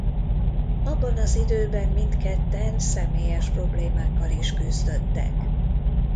Abban az időben mindketten személyes problémákkal is küzdöttek.